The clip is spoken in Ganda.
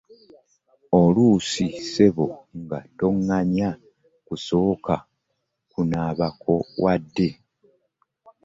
Oluusi ssebo nga taŋŋanya kusooka kunaabako wadde.